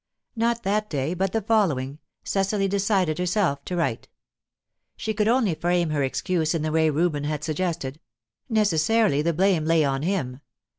Not that day, but the following, Cecily decided herself to write. She could only frame her excuse in the way Reuben had suggested; necessarily the blame lay on him.